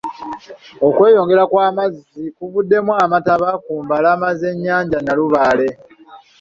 Okweyongera kw'amazzi kuvuddemu amataba ku mbalama z'ennyanja Nalubaale.